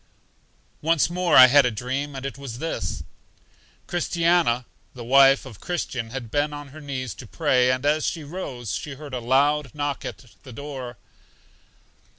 Once more I had a dream, and it was this: Christiana, the wife of Christian, had been on her knees to pray, and as she rose, she heard a loud knock at the door.